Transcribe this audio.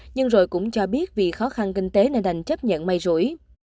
nhưng rồi cũng cho biết vì khó khăn kinh tế nên đành chấp nhận may rũi